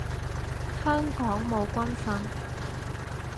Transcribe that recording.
香港冇軍訓